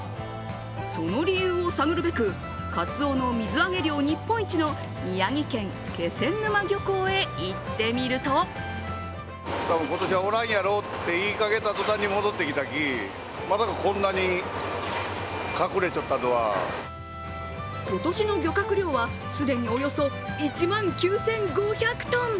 その理由を探るべく、かつおの水揚げ量日本一の宮城県気仙沼漁港へ行ってみると今年の漁獲量は既におよそ１万９５００ｔ！